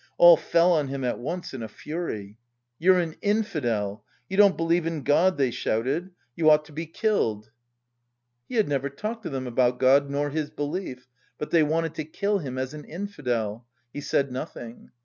All fell on him at once in a fury. "You're an infidel! You don't believe in God," they shouted. "You ought to be killed." He had never talked to them about God nor his belief, but they wanted to kill him as an infidel. He said nothing.